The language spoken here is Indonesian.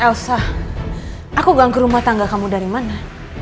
elsa aku ganggu rumah tangga kamu dari mana